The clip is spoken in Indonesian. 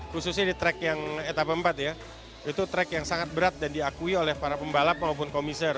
khususnya di track yang etapa empat ya itu track yang sangat berat dan diakui oleh para pembalap maupun komiser